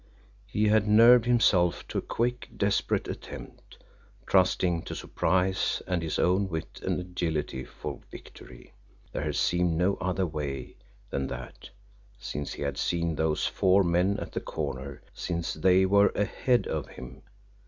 He had nerved himself to a quick, desperate attempt, trusting to surprise and his own wit and agility for victory there had seemed no other way than that, since he had seen those four men at the corner since they were AHEAD of him.